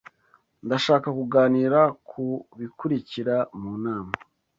Ndashaka kuganira ku bikurikira mu nama.